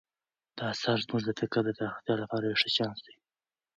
دا اثر زموږ د فکر د پراختیا لپاره یو ښه چانس دی.